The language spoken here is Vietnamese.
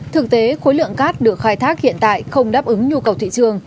thực tế khối lượng cát được khai thác hiện tại không đáp ứng nhu cầu thị trường